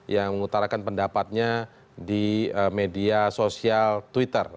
yang mengutarakan pendapatnya di media sosial twitter